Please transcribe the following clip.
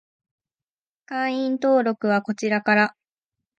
会員登録はこちらから